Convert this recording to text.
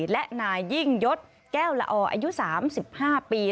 และนายยิ่งยศแก้วละออายุ๓๕ปี